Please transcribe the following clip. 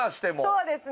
そうですね。